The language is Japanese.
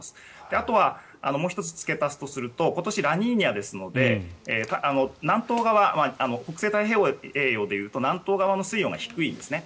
あとはもう１つ付け足すとすると今年、ラニーニャですので北西太平洋でいうと南東側の水温が低いんですね。